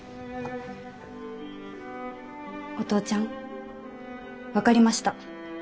お父ちゃん分かりました。